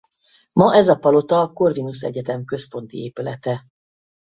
Ma ez a palota a Corvinus Egyetem központi épülete.